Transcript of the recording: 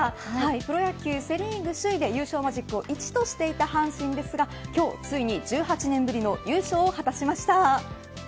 プロ野球セ・リーグ首位で優勝マジックを１としていた阪神ですが今日、ついに１８年ぶりの優勝を果たしました。